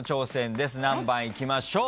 何番いきましょう？